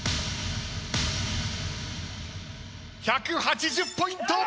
１８０ポイント！